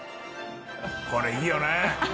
これ、いいよな。